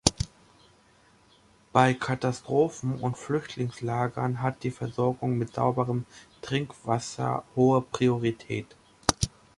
Bei Katastrophen- und Flüchtlingslagern hat die Versorgung mit sauberem Trinkwasser hohe Priorität.